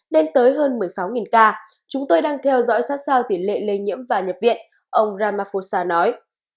lên tới hơn một mươi sáu ca chúng tôi đang theo dõi sát sao tỷ lệ lây nhiễm và nhập viện ông ramaphosa nói